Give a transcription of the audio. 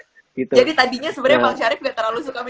jadi tadinya sebenarnya bang syarif gak terlalu suka minum jamu